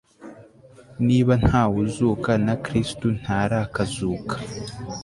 niba nta wuzuka na kristo ntarakazuka